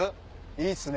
いいっすね！